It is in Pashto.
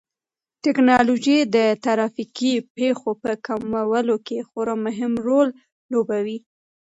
ټیکنالوژي د ترافیکي پېښو په کمولو کې خورا مهم رول لوبوي.